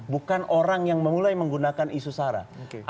bukan orang yang mulai menggunakan isu sarah